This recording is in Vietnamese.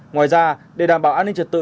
ngoài ra để đảm bảo an ninh trật tự